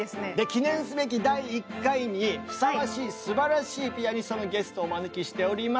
記念すべき第１回にふさわしいすばらしいピアニストのゲストをお招きしております！